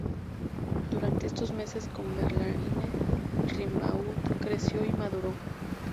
Durante estos meses con Verlaine, Rimbaud creció y maduró.